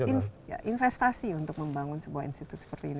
jadi itu adalah investasi untuk membangun sebuah institut seperti ini